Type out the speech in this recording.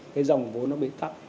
cái dòng vốn nó bị tắt